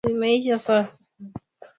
ambapo juma hili atakuwa anaangazia